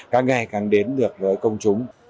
càng ngày càng đến được với công chúng